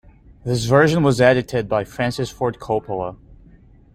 This version was edited by Francis Ford Coppola.